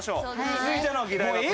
続いての議題はこちら。